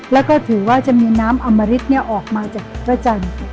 แล้วก็ถือว่าจะมีน้ำอมริตออกมาจากพระจันทร์